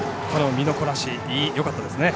身のこなしよかったですね。